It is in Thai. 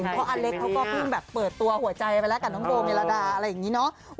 เพราะอเล็กเขาก็เพิ่งแบบเปิดตัวหัวใจไปแล้วกับน้องโบเมลดาอะไรอย่างนี้เนาะ